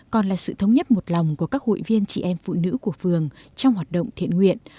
còn là sự thống nhất một lòng của các hội viên chị em phụ nữ của phường trong hoạt động thiện nguyện